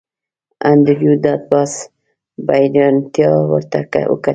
انډریو ډاټ باس په حیرانتیا ورته وکتل